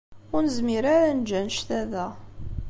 Ur nezmir ara ad neǧǧ anect-a da.